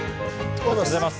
おはようございます。